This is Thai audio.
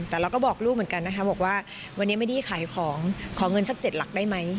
แต่เราก็บอกลูกเหมือนกันนะคะบอกว่าวันนี้ไม่ได้ขายของขอเงินสัก๗หลักได้ไหม